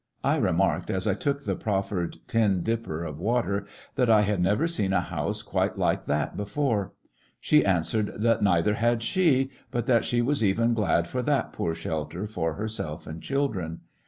I re marked, as I took tlie proffered tin dipper of water, that I had never seen a house qnite like that before* She answered that neither had she, but that she was even glad for that poor shelter for herself and children.